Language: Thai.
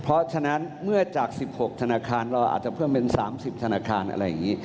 เพราะฉะนั้นเมื่อจาก๑๖ธนาคารเราอาจจะเพิ่มเป็น๓๐ธนาคารอะไรอย่างนี้